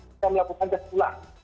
kita melakukan dasar pula